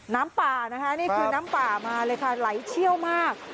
น้ำป่านะคะนี่คือน้ำป่ามาเลยค่ะไหลเชี่ยวมาก